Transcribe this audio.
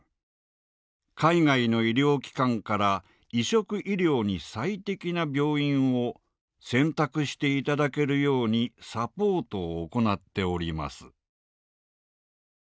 海外の医療機関から移植医療に最適な病院を選択していただけるようにサポートを行っております」。